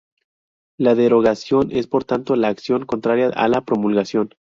La derogación es, por tanto, la acción contraria a la promulgación.